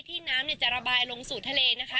น้ำจะระบายลงสู่ทะเลนะคะ